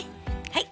はい。